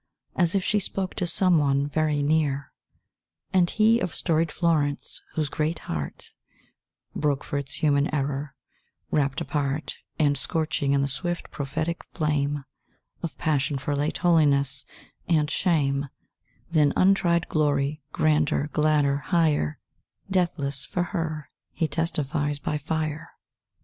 "As if she spoke to some one very near." And he of storied Florence, whose great heart Broke for its human error; wrapped apart, And scorching in the swift, prophetic flame Of passion for late holiness; and shame Than untried glory grander, gladder, higher Deathless, for Her, he "testifies by fire."